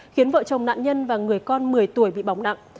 khiến vợ chồng nạn nhân và người con một mươi tuổi bị bỏng nặng